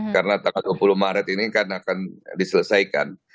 karena tanggal dua puluh maret ini kan akan diselesaikan